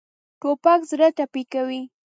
توپک زړه ټپي کوي.